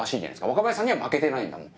若林さんには負けてないんだもん。